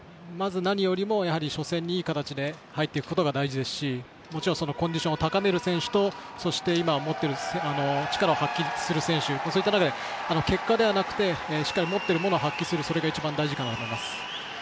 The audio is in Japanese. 何よりも初戦いい形で入っていくのが大事ですし、コンディションを高める選手と力を発揮する選手結果ではなくてしっかり持っているものを発揮するそれが一番大事かなと思います。